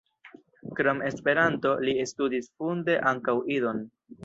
Krom Esperanto li studis funde ankaŭ Idon.